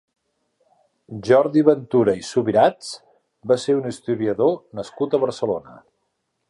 Jordi Ventura i Subirats va ser un historiador nascut a Barcelona.